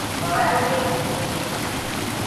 Valer una índia.